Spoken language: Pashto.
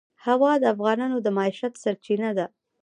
هوا د افغانانو د معیشت سرچینه ده.